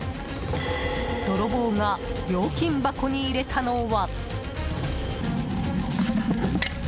泥棒が料金箱に入れたのは。